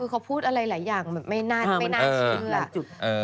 คือเขาพูดอะไรหลายอย่างไม่น่าเชื่อ